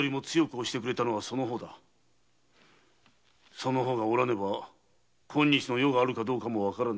その方がおらねば今日の余があるかどうかも判らぬ。